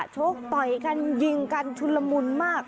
ชกต่อยกันยิงกันชุนละมุนมาก